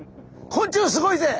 「昆虫すごいぜ！」